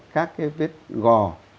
các cái vết gò